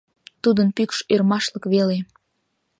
Тудын пӱкш ӧрмашлык веле